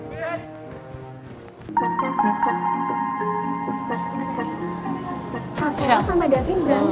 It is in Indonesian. kavero sama da vin berantem